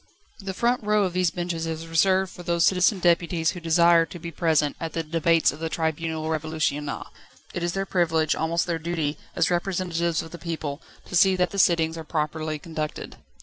The front row of these benches is reserved for those citizen deputies who desire to be present at the debates of the Tribunal Révolutionnaire. It is their privilege, almost their duty, as representatives of the people, to see that the sittings are properly conducted.